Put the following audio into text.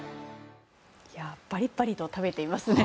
バリバリと食べていますね。